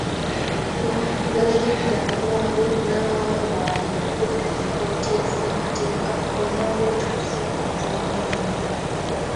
Yalagidde abawaabi n'abawawaabirwa okudda mu kkooti ya Ssemateeka w'enaaba etuuse ku nsonga eno.